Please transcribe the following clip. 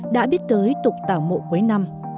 đã biết tới tục tàu mộ cuối năm